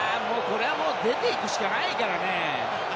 これはもう出ていくしかないからね。